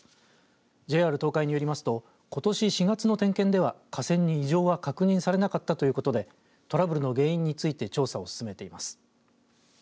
ＪＲ東海によりますとことし４月の点検では架線に異常は確認されなかったということでトラブルの原因について調査を進めています。